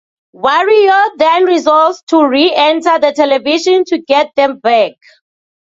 Wario then resolves to re-enter the television to get them back.